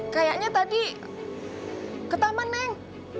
kayaknya tadi ke taman neng